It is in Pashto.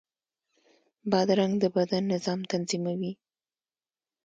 بادرنګ د بدن نظام تنظیموي.